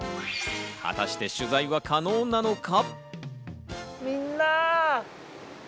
果たして取材は可能なのか？